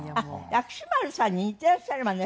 薬師丸さんに似てらっしゃるわね